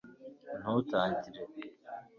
ntutangire